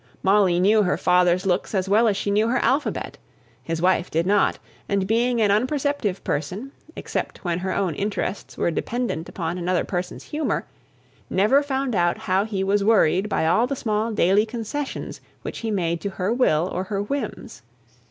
Molly knew her father's looks as well as she knew her alphabet; his wife did not; and being an unperceptive person, except when her own interests were dependent upon another person's humour, never found out how he was worried by all the small daily concessions which he made to her will or her whims.